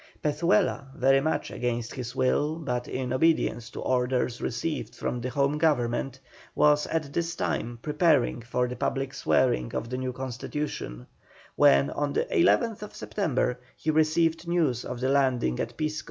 Pezuela, very much against his will but in obedience to orders received from the Home Government, was at this time preparing for the public swearing of the new constitution, when, on the 11th September, he received news of the landing at Pisco.